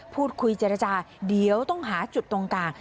เจรจาเดี๋ยวต้องหาจุดตรงกลาง